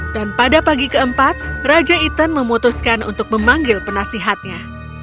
dan pada pagi keempat raja itan memutuskan untuk memanggil penasihatnya